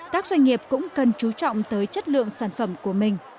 các doanh nghiệp cũng cần chú trọng tới chất lượng sản phẩm của mình